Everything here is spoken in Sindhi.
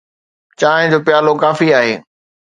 چانهه جو پيالو ڪافي آهي.